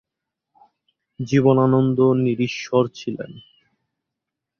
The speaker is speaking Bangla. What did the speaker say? জীবনানন্দ নিরীশ্বর ছিলেন।